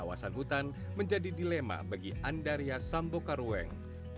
kawasan hutan menjadi dilema bagi andarya sambokarweng